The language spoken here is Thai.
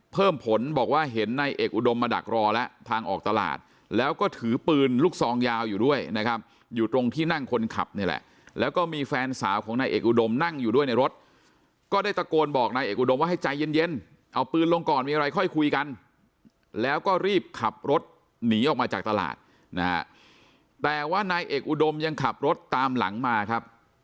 เพิ่มผลบอกว่าเห็นนายเอกอุดมมาดักรอแล้วทางออกตลาดแล้วก็ถือปืนลูกซองยาวอยู่ด้วยนะครับอยู่ตรงที่นั่งคนขับนี่แหละแล้วก็มีแฟนสาวของนายเอกอุดมนั่งอยู่ด้วยในรถก็ได้ตะโกนบอกนายเอกอุดมว่าให้ใจเย็นเอาปืนลงก่อนมีอะไรค่อยคุยกันแล้วก็รีบขับรถหนีออกมาจากตลาดนะฮะแต่ว่านายเอกอุดมยังขับรถตามหลังมาครับ